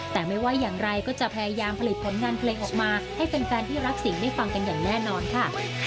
แต่ไม่ว่าอย่างไรก็จะพยายามผลิตผลงานเพลงออกมาให้แฟนที่รักสิ่งได้ฟังกันอย่างแน่นอนค่ะ